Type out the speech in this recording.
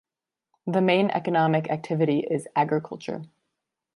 The main economic activity is agriculture.